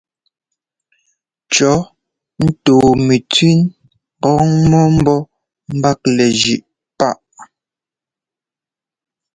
Cɔ̌ ntɔɔmɛtẅín gʉŋ mɔ ḿbɔ́ ḿbaklɛ zʉꞌ páꞌ.